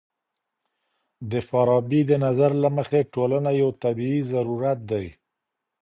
د فارابي د نظر له مخې ټولنه يو طبيعي ضرورت دی.